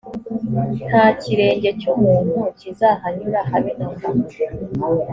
nta kirenge cy’ umuntu kizahanyura habe namba.